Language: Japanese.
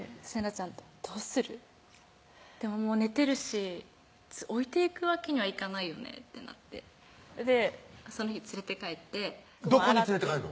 ちゃんと「どうする？」でも寝てるし置いて行くわけにはいかないよねってなってその日連れて帰ってどこに連れて帰んの？